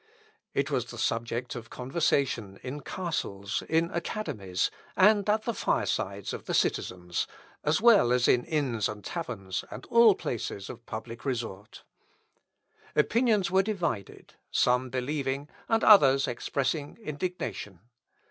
It was the subject of conversation in castles, in academies, and at the firesides of the citizens, as well as in inns and taverns, and all places of public resort. Opinions were divided, some believing, and others expressing indignation.